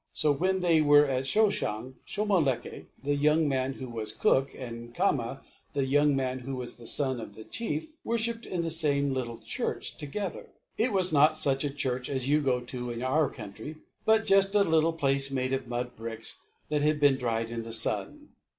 So when they were at Shoshong, Shomolekae, the young man who was cook, and Khama, the young man who was the son of the chief, worshipped in the same little church together. It was not such a church as you go to in our country but just a little place made of mud bricks that had been dried in the sun.